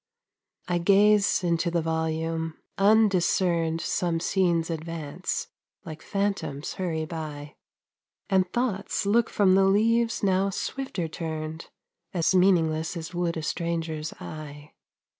I gaze into the volume. Undiscerned Some scenes advance, like phantoms hurry by, And thoughts look from the leaves now swifter turned As meaningless as would a stranger's eye.